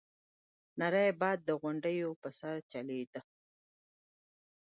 نری باد د غونډيو په سر چلېده.